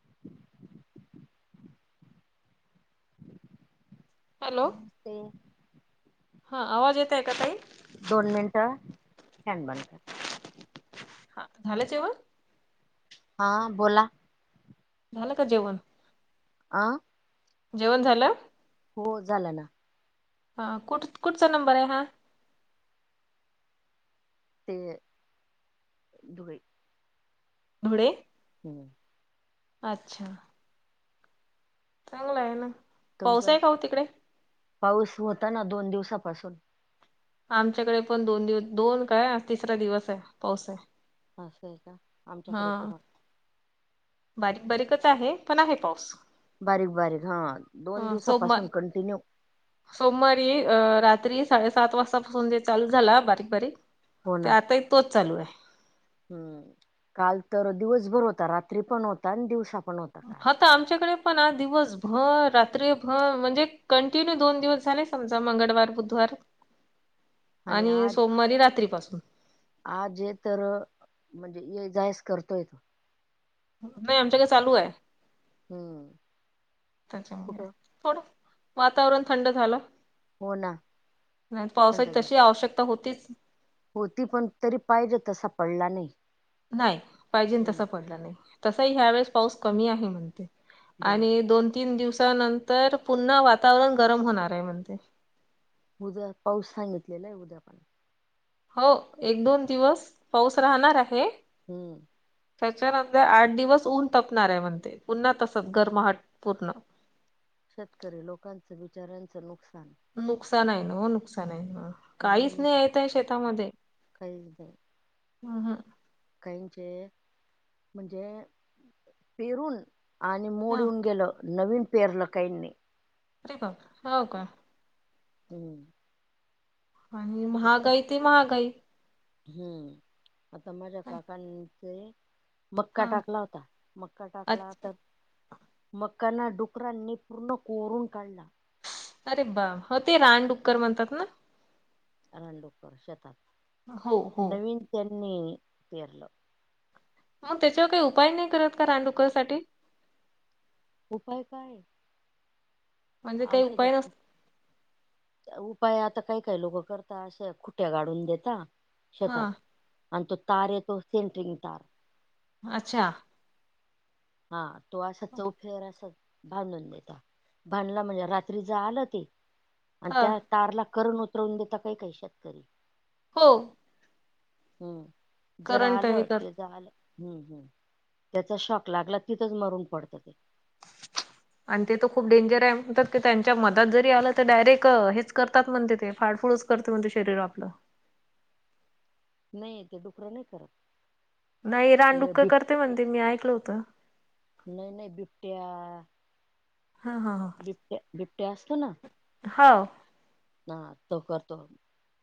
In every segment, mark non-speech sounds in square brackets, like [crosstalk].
[inaudible] Hello नमस्ते! हा आवाज येतय का ताई? दोन मिनट फँन बंद कर. हा झालं जेवन? हा बोला. झालं का जेवण? आं. ! जेवण झालं? हो झालं ना. ! हा कुठ कुठचा नंबर हाय हा? ते धुळे. धुळे? हम्म! अच्छा! चांगल हाय ना. तुमच पाऊस आहे का हो तिकडे पाऊस होता ना दोन दिवसापासून आमच्याकड पण दोन दिवस दोन काय तिसरा दिवस हाय पाऊस हाय. असं आहे का? आमच्याकडे पण बारीक बारीकच आह, पण आहे पाऊस. बारीक बारीक हा दोन अ, दिवसापासून सोमवार कंटिन्यू सोमवारी अ रात्री साडे सात वाजता फोन जे चालू झाला बारीक बारीक हो ना ते आताही तोच चालू हाय. हम्म, काल तर दिवसभर होता. रात्री पण होता आणि दिवसा पण होता काल. आता आमच्याकड पण आज दिवस भर रात्रीभर म्हणजे कंटिन्यू दोन दिवस झाले समजा मंगळवार बुधवार [inaudible] आणि सोमवारी रात्रीपासून. आज जे सरळ म्हणजे ये जायस करतोय नाही आमच्याकडे चालू हाय, हम्म त्याच्यामुळे. कुठं थोडं वातावरण थंड झालं. हो ना नाही पावसाची तशी आवश्यकता होतीच. होती पण तरी पाहिजे तसा पडला नाही. नाही. पाहिजे हम्म तसा पडला नाही. तसही ह्या वेळेस पाऊस कमी आहे म्हणते. बरोबर आणि दोन तीन दिवसानंतर पुन्हा वातावरण गरम होणार हाय म्हणतय. उद्या पाऊस सांगितलेला आहे. उद्या पण. होव एक दोन दिवस पाऊस राहणार आहे. हम्म. त्याच्यानंतर आठ दिवस ऊन तपणार हाय म्हणतय. पुन्हा तसच गरमाहट पूर्ण. शेतकरी लोकांचं बिच्याऱ्यांच नुकसान. नुकसान आहे न व नुकसान आहे नव्ह. लय काहीच नुक नाही येतय शेतामध्ये. आहं. काहिंचे म्हणजे पेरून आणि मोड हा येऊन गेलं. नवीन पेरलं काहिंनी. आरे बापरे! होव का? हम्म. आणि महागाई ती महागाई. हुं. आता माझ्या काकांचे मक्का हां. टाकला होता, मक्का टाकला अच्छा. तर मक्का ना डुकरांनी पूर्ण कोरून काढला. अरे बा! हो ते रानडुक्कर म्हणतात ना. रानडुक्कर शेतात, हो, हो. नवीन त्यांनी पेरलं. मग त्याच्यावर काय उपाय? नाही करत का रानडुकरासाठी? उपाय काय ए? म्हणजे काही उपाय नस औषधत उपाय आता काही काही लोकं करतात, अे खुट्ट्या गाढून देता शेतात. हां. आणि तो तार ये तो सेंट्रिंग तार. अच्छा. हा तो, असं चौफेअर असं भांधून देता. बांधला म्हणजे रात्री ज आलं ते. आणि हां. त्या तारला करण उतरवून देता, काही काही शेतकरी. हो. हुं. जर करंट हे आलं कर ते झालं. हुं. हुं. त्याचा शॉक लागला, तिथंच मरून पडतं ते. आणि ते त खूप डेंजर आहे म्हणतात की, त्यांच्या मधात जरी आलं तर, डायरेक हेच करतात म्हणते ते फाडफूळूच. करत म्हण ते शरीर आपलं. नाही ए ते डुकरं नाही करत. नाही ते रानडुक्कंर बिबट करतय म्हणते, मी ऐकलं होतं. नाही नाही, बिबट्या आ हा. हा. हा. ते बिबट्या असतो ना? हाव. हा, तो करतो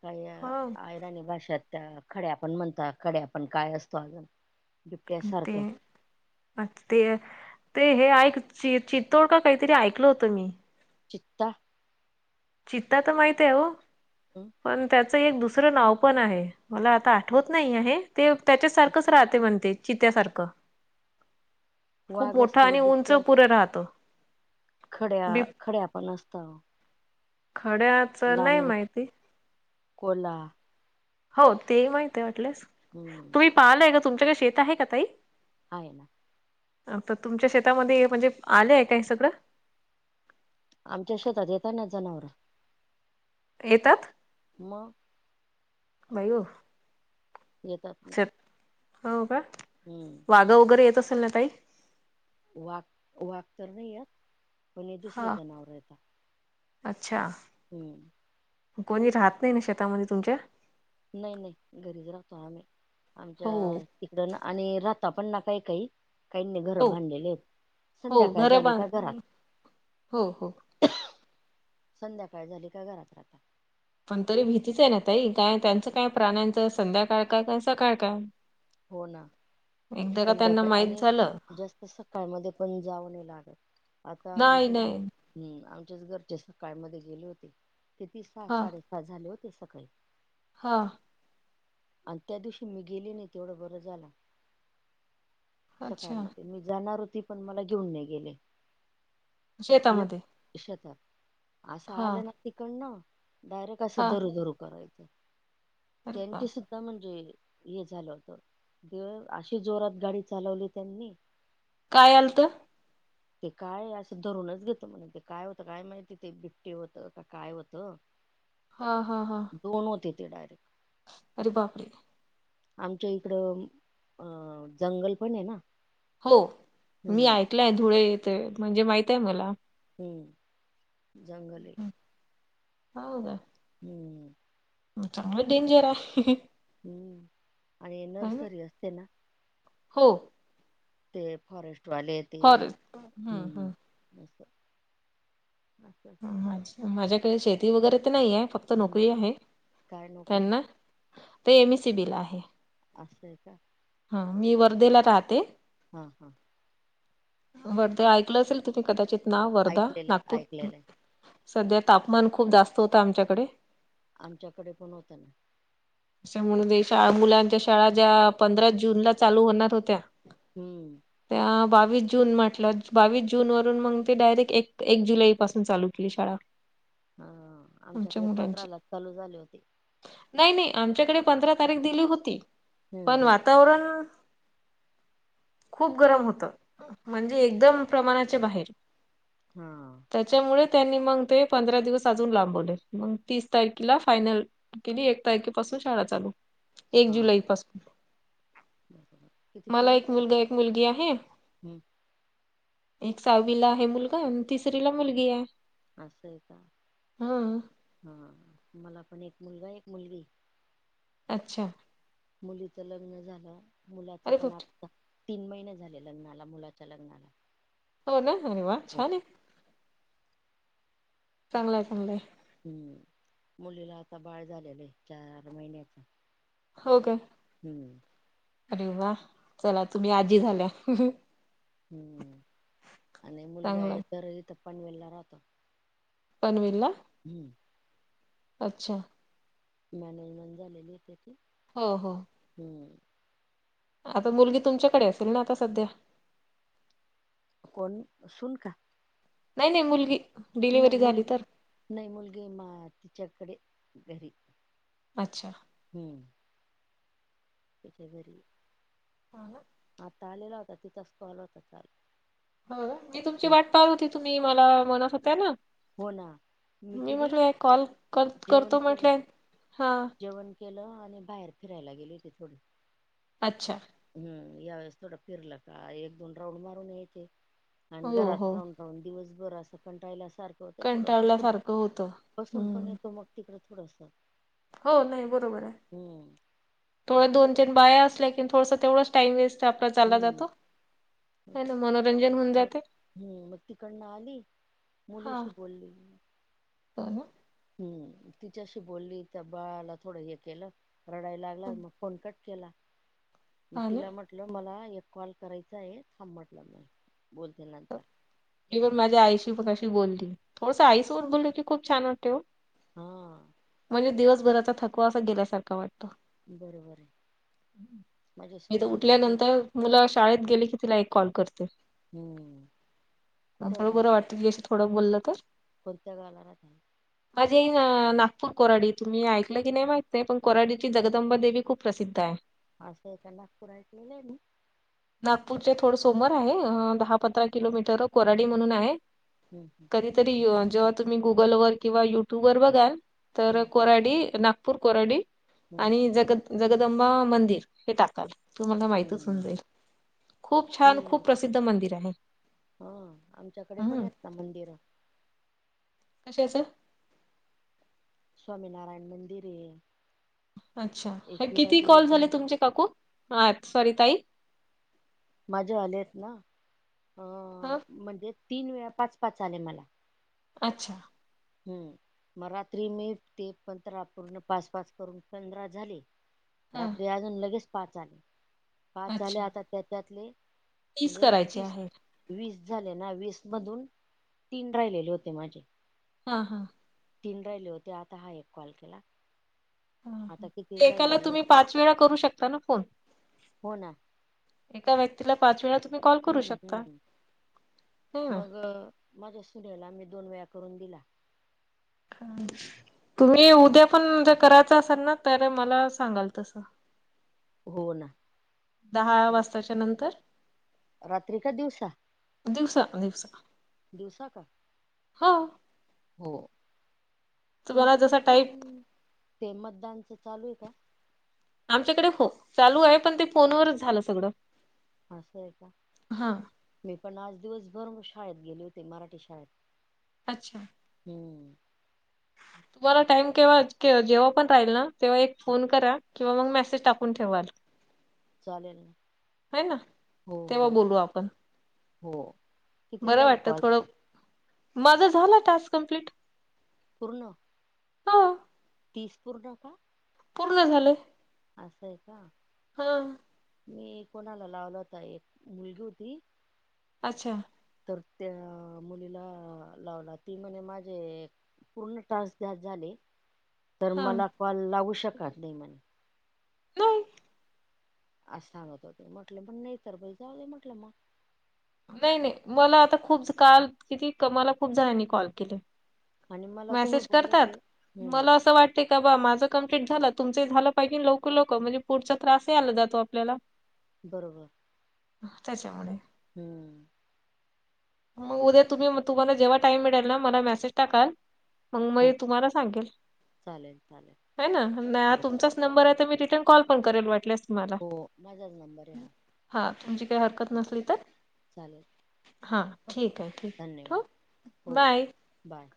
काही हो. आएत. राणी भाशात त्या खड्या पण म्हणतात, खड्या पण काय असतो अजून बिबट्या आणि ते. सारखं अच्छ ते, ते हे ऐक ची चितोड का काहीतरी ऐकलं होतं मी. चित्ता. चित्ता तर माहित हाय हो, पण त्यात एक दुसरं नाव पण आहे. मला आता आठवत नाही आहे. ते त्याच्या सारखंच राहते म्हणते चित्यासारखं. वाघ खूप मोठं असतो आणि उंच बिबट्या पुढ राहत. खड्या खड्या पण असत. खड्या लांडगा, कोल्हा. हो. ते माहित आहे वाटलेस. हम्म. तुम्ही पाहिलय का तुमच्याकडे शेत आहे का ताई? आहे. तर तुमच्या शेतामध्ये म्हणजे आलेय का हे सगळं? आमच्या शेतात येेता ना जनावर येतात? मग. बायो! येतात ना. हो का. हम्म. वाघं वगैरे येत असेल ना ताई? वाघ वाघ तर नाही येत. पण हे दुसरे हा जनावर येतात. अच्छा! हम्म. कोणी राहत नाही ना शेतामध्ये तुमच्या? नाही नाही. घरीच राहतो आम्ही. हो आमच्या तिकड आणि राहता पण न काय काही. काहींनी घरं हो बांधलेले आहेत. हो संध्याकाळ घरं झाली बांध का घरात. हो हो संध्याकाळ झाली का घरात राहता. पण तरी भीतीच आहे ना ताई. काय त्यांचं काय प्राण्यांच संध्याकाळ काय काय सकाळ काय. हो ना. एकदा का त्यांना संध्याकाळी माहित आणि झालं जास्त सकाळमध्ये पण जाऊ नाही लागत. आता नाही आमच्याच घर. नाही हम्म. आमच्याच घरचे सकाळमध्ये गेले होते ते तती स हा साडे झाल होते सगळे. हा. आणि त्या दिवशी मी गेली नाही तेवढं बरं झाला. अच्छा सकाळमध्ये. मी जाणार होती पण मला घेऊन नाही गेले. एक शेतामध्ये शेतात असं हा आलं नक् तिकडन, डायरेक्ट कसं हा दरु दरू करायचं. अरे त्यांची बाप सुद्धा म्हणजे हे झालं. [unintelligible] अशी जोरात गाडी चालवली त्यांनी काय आलत? [inaudible] ते काय असं धरूनच घेत म्हणे ते. काय होतं काय माहिती. ते बिबटी होतं का काय होतं [inaudible] हा हा हा. दोन होते ते डाय अरे बापरे! च्या इकडं अ जंगल पण आहे ना. हो. मी हम्म ऐकलंय धुळे येथे म्हणजे माहित आहे मला. हम्म. जंगल आहे. हो का? हम्म. चांगलं डेंजर आहे. हम्म. आणि नर्सरी असते ना. हो. ते फॉरेस्ट वाले ते फॉरेस्ट हम्म हम्म हम् अस. माझ्याकडे शेती वगैरे तर नाही आहे. फक्त हम्म, नोकरी आहे. काय नोकरी त्यांना ते एम एस सी बी ला आहे. असंय का? हा. मी वर्धेला राहते. हा हा. वर्धे ऐकलं असेल तुम्ही कदाचित नाव वर्धा ऐकलेलं आहे नागपूर ऐकलेलं आहे सध्या तापमान खूप जास्त होतं आमच्याकडे. आमच्याकडे पण होत ना. म्हणून मुलांच्या शाळा ज्या पंधरा जून ला चालू होणार होत्या हम्म. त्या बावीस जून म्हटलं बावीस जून वरून मग ते डायरेक्ट एक एक जुलै पासून चालू केली शाळा. हा. आमच्या आमच्याकडे पंधरा मुलांची लाच चालू झाले होते. नाही नाही. आमच्याकडे पंधरा तारीख दिली होती, हम्म पण हम्म वातावरण खूप गरम होत, म्हणजे एकदम प्रमाणाच्या बाहेर. हा त्याच्यामुळे त्यांनी मग ते पंधरा दिवस अजून लांबवले. मग तीस तारखेला फायनल किती एक तारखे पाासून शाळा चालू. एक हा जुलै पासून बरोबर किती मला पोरं एक आहेत का? मुलगा एक मुलगी आहे. हं. एक साहावीला आहे मुलगा आणि तिसरी ला मुलगी आहे. असं आहे का. हा हा मला पण एक मुलगा एक मुलगी. अच्छा. मुलीच लग्न झालं. मुलाच अरे पण खूप आत्ता तीन महिने झाले लग्नाला, मुलाच्या लग्नाला. हो ना. अरे वा हो छान आहे. चांगलाय चांगलंय. हम्म. मुलीला आता बाळ झालेलं आहे. चार महिन्याच. हो काय. हम. अरे वा. चला तुम्ही आजी झाल्या. हम्म. आणि मुलगा आहे चांगलंय तर इथ पनवेलला राहतो पनवेल ला. हम्म. अच्छा! मॅनेजमेंट झालेली आहे त्याची. हो हो. हम्म. आता मुलगी तुमच्याकडे असेल ना आता सध्या. कोण सुन का? नाय नाय मुलगी. नाय डिलिव्हरी झाली मुलगी तर नाय मुलगी मा तिच्याकडे घरी. अच्छा हमम. त्याच्या घरी.. हां ना. आता आलेला होता तिचाच काॅल होता काल. हो मी तुमची वाट पाहत होती तुम्ही मला म्हणत होतात ना. हो ना मी म्हटलंय कॉल कत जेवण करतो केलं म्हटलेय हा. जेवण केलं आणि बाहेर फिरायला गेली हो ते थोडी अच्छा हमम यावेेळेस थोडा फिरला का एक दोन राऊंड मारून येते आणि हो घरात हो राहून दिवसभर असं कंटाळयला सारखं होतं थोडं बसून कंटाळल्यासारखं होतं बसून पण हम्म येतो मग. तिकडं थोडंस हो नाय बरोबर आहे थोड्या अस दोन तिन बाया असल्या कि थोडस तेवढंच टाईम वेस्ट आपला चालला हम्म जातो. ह ना मनोरंजन होऊन मग जाते हम्म मग तिकडनं आली हा मुलीशी बोलेली [unintelligible] हम्म तिच्याशी बोली तर बाळाला थोडं हे केलं रडायला लागला मग फोन कट केला हा ना तिला म्हट म्हटलं मला एक कॉल करायचा आहे थांब म्हंटल मग बोलते हो. नंतर मी पण माझ्या आईशी मघाशी बोलली थोडसं आईसोबत बोलल की खूप छान वाटतय ओ. हा.. म्हणजे दिवसभराचा थकवा असा गेल्यासारखं वाट बरोबर ये माझी सून पण आजच. मुल शाळेत गेली की तिला एक कॉल करते. हमम. म थोडं बरं वाटतं तिच्याशी थोडं बोललं तर कोणत गाण आहे. माझी आई अ नागपूर कोराडीची तुम्ही ऐकलं की नाही माहितय पण कोराडीची जगदंबा देवी खूप प्रसिद्ध आहे. असं एका नागपूरा ऐकलेलंय मी. नागपूरचे थोड समोर आहे अ दहा पंधरा किलोमीटर कोराडी म्हणून आहे. ह ह [inaudible] तरी अ जेव्हा तुम् गुगल व किंवा युटुबवर बघाल तेव्हा हम्म कोराडी नाग पूर कोराडी हम्म आणि हम्म जग जगदंबा मंदिर हे टाका. तुम्हाला माहतीच असेल हम्म ते खूप छान खूप हे प्रसिद्ध मंदिर आहे. हा आमच्याकडे पण हम्म आहेत ना मंदिरं कश्याचं? स्वामीनारायण मंदिर ये. अच्छा किती कॉल झाले देवीचं तुमचे काकू आ सॉरी ताई? माझे आलेत ना अ हा म्हणजे तीन वेळा पाच पाच आले मला. अच्छा. हम्म. म रात्री मी ते पंधरा पूर्ण पास पाच करून पंधरा झाले. हा. रात्री अजून लगेच पाच आले पाच झाले अच्छा, आता त्या त्यातले म्हणजे करायचे वीस आहेत. वीस झाले ना वीस मधून तीन राहिलेले होते माझे. हा हा. तीन राहिले होते आता हा एक कॉल केला. हा आता किती ह राहिले एकाला एक तुम्ही पाच वेळा करू शकता ना फोन? हो ना एका व्यक्तीला पाच वेळा तुम्ही कॉल करू हम्म शकता. हम्म हो ना. मग माझ्या सुनेला मी दोन वेळा करून दिला. तुम्ही उद्या पण ज कराचं असन ना तर मला सांगाल तसं. हो ना. दहा वाजताच्या नंतर. रात्री का दिवसा दिवसा दिवसा का? हा. हो. तुम्हाला जसा तुमच्याकडे पण टाईप ते मतदानच चालूये का? आमच्याकडे फ चालू आहे पण ते फोनवरच झालं सगड. असं आहे का मी पण आज दिवसभर शाळेत गेले होते मराठी शाळेत. अच्छा. हम्म. तुम्हाला टाइम केव्हा जेव्हा पण राहील ना तेव्हा एक फोन करा. किंवा मग मेसेज टाकून ठेवाल. चालेल ना है ना हो तेव्हा हो बोलू आपण. हो. किती बरं झाले वाटत कॉल थोडं माझा झाला टास्क कंप्लीट. पूर्ण? हां. तीस पूर्ण का? पूर्ण झाले. असं आहे का? हां. मी कोणाला लावला होता एक मुलगी होती अच्छा. तर त्या मुलीला लावला ती म्हणे माझे पूर्ण टास्क झा झाले तर हां. मला कॉल लावू शकत नाही म्हणे. नाही. अस सांगत होते म्हटले पण नाही तर बाई झाले म्हटलं मग. नाही नाही मला आता खूप ज काल किती मला खूप जणांनी कॉल केले. आणि मला तुम्ही मेसेज बोलले करतात होते हम्म मला असं वाट ते का बा माझं कंप्लीट झालं तुमच झालं पाहिजे लवक लोक म्हणजे पुढचा त्रास आला जातो आपल्याला. बरोबर. हा त्याच्यामुडे. हम्म. मग उद्या तुम्हीग तुम्हाला जेव्हा टाईम मिडेल ना मला मेसेज टाकाल. मग हो तुम्हाला सांगेल चालेल चालेल ह ना नाही ह हो तुमचाच नंबर आहे मी रिटर्न कॉल पण करेन म्हटलेस तुम्हाला हो माझाच नंबर आहे हा हा तुमची काय हरकत हम्म, नसेल तर चालेल हा ठीक हा, हाय ठीक ठीऊ धन्यवाद हो बाय बाय